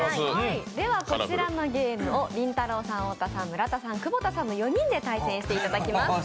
こちらのゲームをりんたろーさん、太田さん、村田さん、久保田さんの４人で対戦していただきます。